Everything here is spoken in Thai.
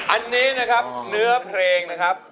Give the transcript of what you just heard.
อันนี้นะครับเนื้อเพลงนะครับ